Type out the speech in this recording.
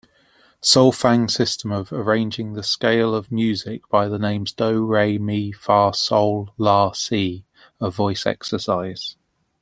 Solfaing system of arranging the scale of music by the names do, re, mi, fa, sol, la, si a voice exercise.